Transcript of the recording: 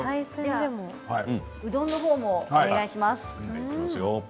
うどんの方もお願いします。